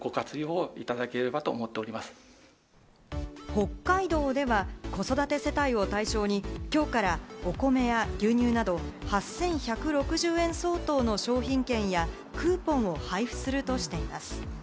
北海道では子育て世帯を対象に今日からお米や牛乳など８１６０円相当の商品券やクーポンを配布するとしています。